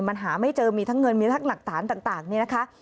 มันหาไม่เจอมีทั้งเงินมีทั้งหลักฐานต่างนี่นะคะ